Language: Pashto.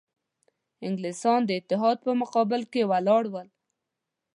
انګلیسیان د اتحاد په مقابل کې ولاړ ول.